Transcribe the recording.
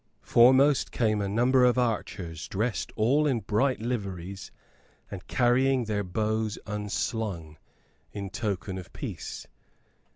Foremost came a number of archers dressed all in bright liveries and carrying their bows unslung in token of peace.